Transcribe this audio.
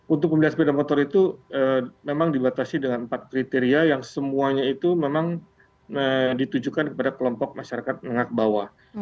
untuk pembelian sepeda motor itu memang dibatasi dengan empat kriteria yang semuanya itu memang ditujukan kepada kelompok masyarakat menengah bawah